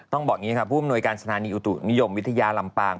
ต้องบอกอย่างนี้ครับผู้อำนวยการสนานิยมวิทยาลำปาง